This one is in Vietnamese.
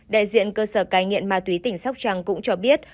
đại diện cơ sở canh nhiện ma túy tỉnh sóc trăng cũng cho biết